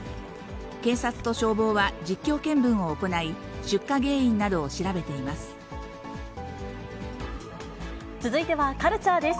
警察と消防は、実況見分を行い、出火原因などを調べています。